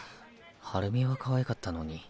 ハルミはかわいかったのに。